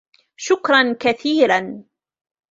شكراً كثيراً!